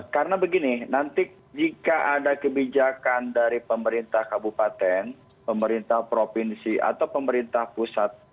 karena begini nanti jika ada kebijakan dari pemerintah kabupaten pemerintah provinsi atau pemerintah pusat